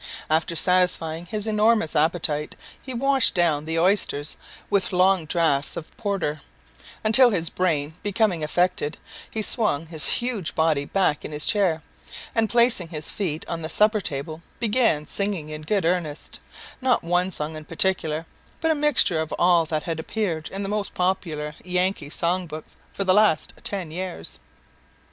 After satisfying his enormous appetite, he washed down the oysters with long draughts of porter, until his brain becoming affected, he swung his huge body back in his chair, and, placing his feet on the supper table, began singing in good earnest, not one song in particular, but a mixture of all that had appeared in the most popular Yankee song books for the last ten years.